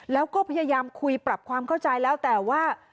แล้วก็พยายามคุยปรับความเข้าใจแล้วแต่ว่า